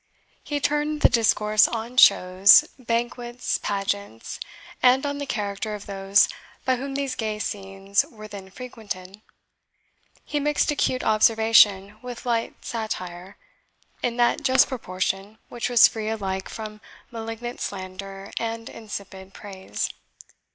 He turned the discourse on shows, banquets, pageants, and on the character of those by whom these gay scenes were then frequented. He mixed acute observation with light satire, in that just proportion which was free alike from malignant slander and insipid praise.